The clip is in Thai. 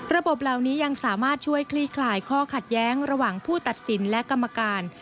ระบบเหล่านี้ยังสามารถช่วยคลี่คลายข้อขัดแย้งระหว่างผู้ตัดสินและกรรมการ